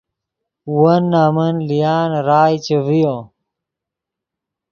وون نمن لیان رائے چے ڤیو